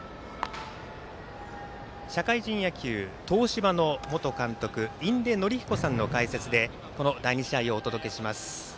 社会人野球、東芝の元監督印出順彦さんの解説で第２試合をお伝えします。